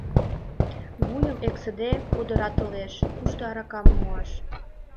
Вуйым эксыде пудыратылеш: кушто аракам муаш?